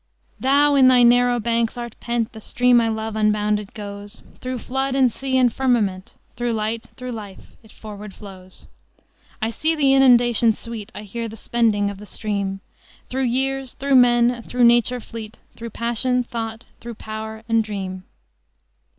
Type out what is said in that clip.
"Thou in thy narrow banks art pent: The stream I love unbounded goes; Through flood and sea and firmament, Through light, through life, it forward flows. "I see the inundation sweet, I hear the spending of the stream, Through years, through men, through nature fleet, Through passion, thought, through power and dream."